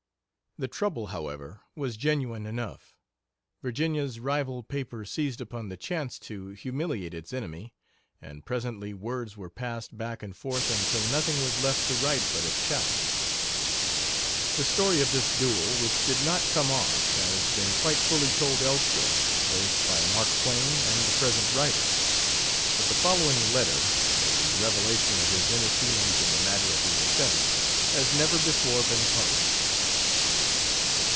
The trouble, however, was genuine enough, Virginia's rival paper seized upon the chance to humiliate its enemy, and presently words were passed back and forth until nothing was left to write but a challenge. The story of this duel, which did not come off, has been quite fully told elsewhere, both by Mark Twain and the present writer; but the following letter a revelation of his inner feelings in the matter of his offense has never before been published.